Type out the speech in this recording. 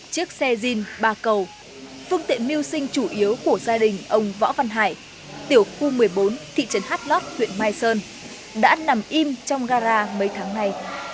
chiếc xe jean ba cầu phương tiện mưu sinh chủ yếu của gia đình ông võ văn hải tiểu khu một mươi bốn thị trấn hát lót huyện mai sơn đã nằm im trong gara mấy tháng nay